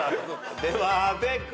では阿部君。